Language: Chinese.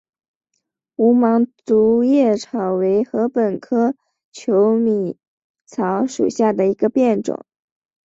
无芒竹叶草为禾本科求米草属下的一个变种。